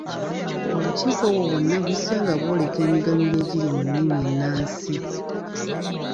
Obukiiko obwo bwonna buzzenga bwoleka emiganyulo egiri mu nnimi ennansi.